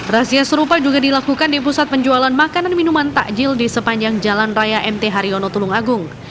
razia serupa juga dilakukan di pusat penjualan makanan minuman takjil di sepanjang jalan raya mt haryono tulung agung